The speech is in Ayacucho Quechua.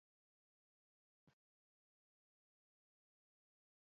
Caña tragotam upiarachimuwan